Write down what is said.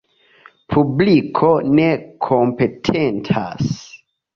Publiko ne kompetentas.